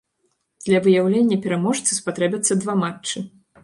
Для выяўлення пераможцы спатрэбяцца два матчы.